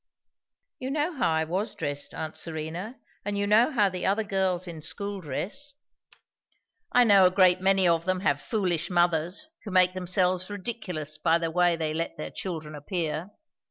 "You know how I was dressed, aunt Serena; and you know how the other girls in school dress." "I know a great many of them have foolish mothers, who make themselves ridiculous by the way they let their children appear.